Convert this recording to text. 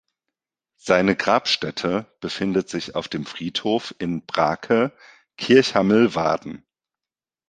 Seine Grabstätte befindet sich auf dem Friedhof in Brake-Kirchhammelwarden.